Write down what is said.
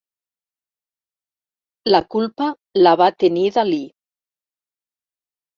La culpa la va tenir Dalí.